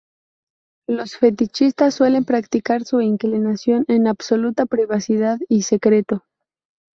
Los fetichistas suelen practicar su inclinación en absoluta privacidad y secreto.